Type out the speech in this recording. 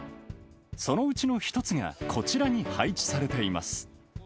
そのうちの１つがこちらに配置されています。